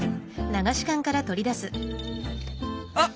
あっ！